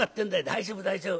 「大丈夫大丈夫。